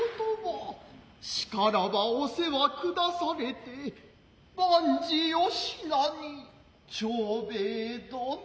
しからばお世話下されて万事よしなに長兵衛殿。